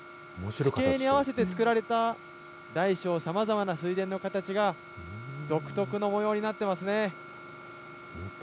地形に合わせてつくられた大小さまざまな水田の形が独特の模様になっていますね。